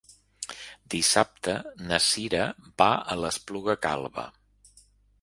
Dissabte na Sira va a l'Espluga Calba.